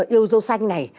yêu dâu xanh này